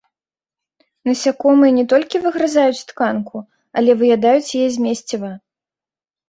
Насякомыя не толькі выгрызаюць тканку, але і выядаюць яе змесціва.